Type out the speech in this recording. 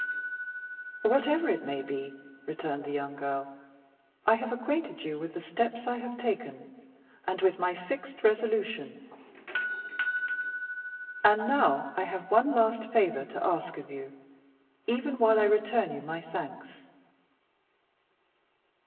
"Whatever it may be," returned the young girl, "I have acquainted you with the steps I have taken, and with my fixed resolution. And, now, I have one last favor to ask of you, even while I return you my thanks.